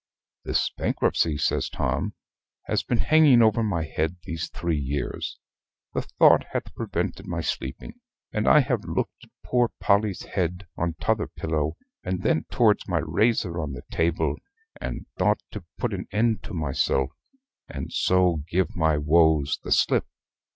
"This bankruptcy," says Tom, "has been hanging over my head these three years; the thought hath prevented my sleeping, and I have looked at poor Polly's head on t'other pillow, and then towards my razor on the table, and thought to put an end to myself, and so give my woes the slip.